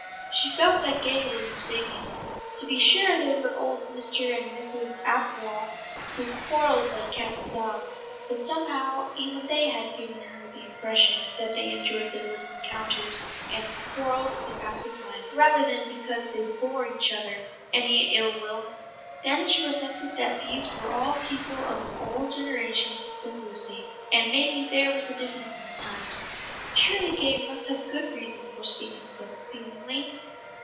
She felt that Gay was mistaken. To be sure there were old Mr. and Mrs. Apwall, who quarrelled like cats and dogs, but somehow even they had given her the impression that they enjoyed their little encounters, and quarrelled to pass the time, rather than because they bore each other any ill will. Then she reflected that these were all people of an older generation than Lucy, and maybe there was a difference in the times. Surely Gay must have good reason for speaking so feelingly.